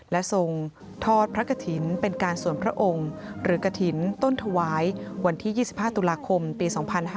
และทรงทอดพระกฐินเป็นการส่วนพระองค์หรือกระถิ่นต้นถวายวันที่๒๕ตุลาคมปี๒๕๕๙